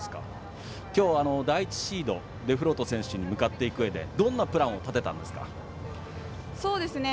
きょう、第１シードデフロート選手に向かっていくうえでどんなプランを立てたんですか。